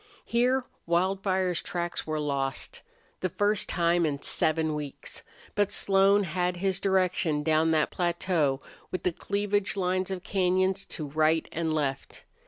Here Wildfire's tracks were lost, the first time in seven weeks. But Slone had his direction down that plateau with the cleavage lines of cañons to right and left.